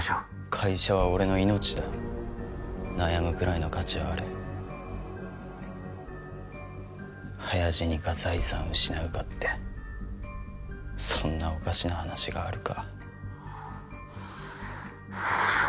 会社は俺の命だ悩むくらいの価値はある早死にか財産失うかってそんなおかしな話があるか？